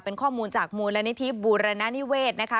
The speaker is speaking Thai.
เป็นข้อมูลจากมูลนิธิบูรณนิเวศนะคะ